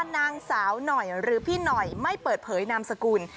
นางสาวหน่อยหรือพี่หน่อยไม่เปิดเผยนามสกุล